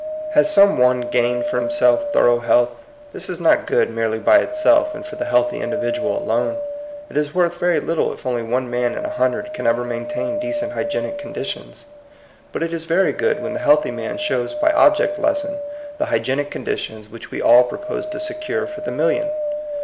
Has some one gained for himself thor ough health. This is not good merely by itself, and for the healthy individual alone. It is worth very little if only one man in a hundred can ever maintain decent hygienic conditions. But it is very good when the healthy man shows by object lesson the hygienic conditions which we all propose to secure for the million.